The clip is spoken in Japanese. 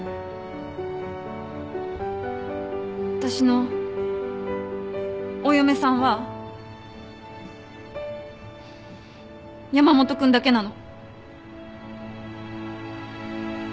私のお嫁さんは山本君だけなの。